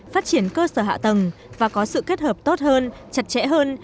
phát triển cơ sở hạ tầng và có sự kết hợp tốt hơn chặt chẽ hơn